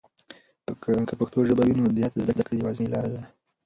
که پښتو ژبه وي، نو دیانت د زده کړې یوازینۍ لاره ده.